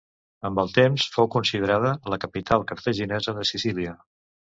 Amb el temps fou considerada la capital cartaginesa de Sicília.